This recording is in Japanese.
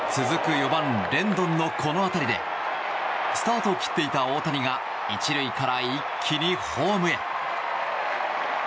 ４番、レンドンのこの当たりでスタートを切っていた大谷が１塁から一気にホームへ。